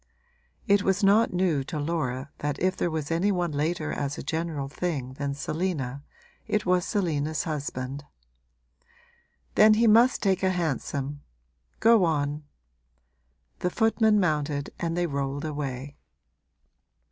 It was not new to Laura that if there was any one later as a general thing than Selina it was Selina's husband. 'Then he must take a hansom. Go on.' The footman mounted and they rolled away.